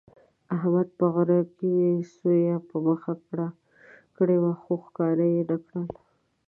احمد په غره کې سویه په مخه کړې وه، خو ښکار یې نه کړله.